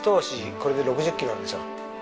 これで６０キロあるんですよ。